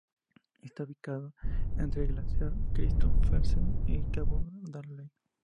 Está ubicado entre el Glaciar Christophersen y el cabo Darnley.